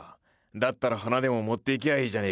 だったら花でも持っていきゃあいいじゃねえか。